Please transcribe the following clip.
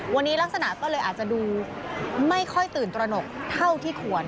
วันนี้ลักษณะก็เลยอาจจะดูไม่ค่อยตื่นตระหนกเท่าที่ควร